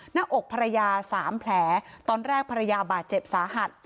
หน้าอกภรรยา๓แผลตอนแรกภรรยาบาดเจ็บสาหัส